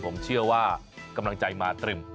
ผมเชื่อว่ากำลังใจมาตรึม